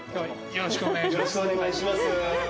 よろしくお願いします。